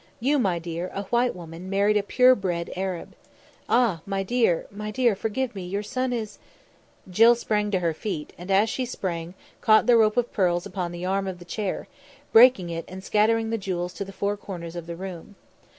You, my dear, a white woman, married a pure bred Arab. Ah! my, dear, my dear, forgive me, your son is " Jill sprang to her feet, and as she sprang caught the rope of pearls upon the arm of the chair, breaking it and scattering the jewels to the four corners of the room.